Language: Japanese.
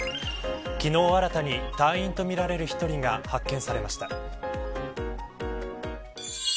昨日、新たに隊員とみられる１人が発見されました。